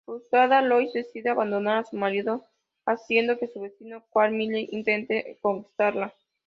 Frustrada, Lois decide abandonar a su marido, haciendo que su vecino Quagmire intente conquistarla.